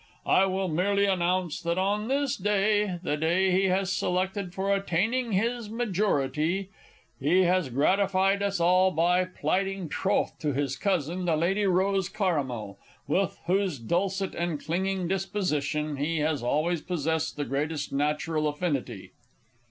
I will merely announce that on this day the day he has selected for attaining his majority he has gratified us all by plighting troth to his cousin, the Lady Rose Caramel, with whose dulcet and clinging disposition he has always possessed the greatest natural affinity.